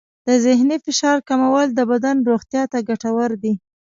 د ذهني فشار کمول د بدن روغتیا ته ګټور دی.